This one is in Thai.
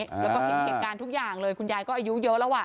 แล้วก็เห็นเหตุการณ์ทุกอย่างเลยคุณยายก็อายุเยอะแล้วอ่ะ